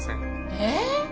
えっ？